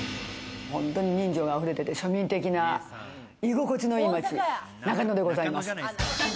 本当に人情があふれてて庶民的な居心地のいい街、中野でございます。